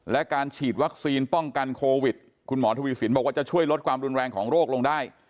และการฉีดวัคซีนป้องกันโควิดคุณหมอทวีสินบอกว่าจะช่วยลดความรุนแรงของโรคลงได้